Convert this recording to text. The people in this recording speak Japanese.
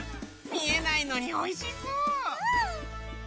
見えないのにおいしそう！